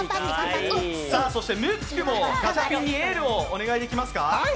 ムックもガチャピンにエールをお願いできますか？